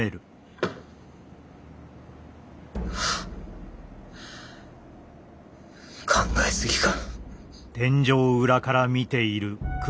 ハッ考え過ぎか。